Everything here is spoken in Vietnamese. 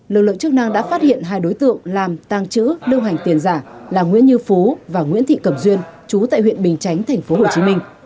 lực lượng chức năng đã phát hiện hai đối tượng làm tăng trữ lưu hành tiền giả là nguyễn như phú và nguyễn thị cẩm duyên chú tại huyện bình chánh tp hcm